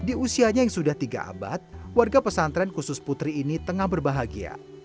di usianya yang sudah tiga abad warga pesantren khusus putri ini tengah berbahagia